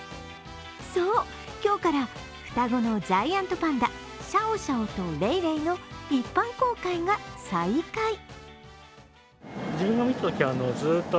そう、今日から双子のジャイアントパンダ、シャオシャオとレイレイの一般公開が再開。